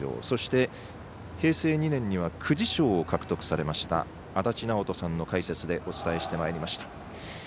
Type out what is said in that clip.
そして平成２年には久慈賞を獲得されました足達尚人さんの解説でお伝えしてまいりました。